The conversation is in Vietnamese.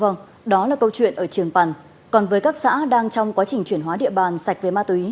vâng đó là câu chuyện ở trường pần còn với các xã đang trong quá trình chuyển hóa địa bàn sạch về ma túy